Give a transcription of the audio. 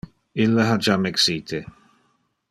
Ille ha jam exite.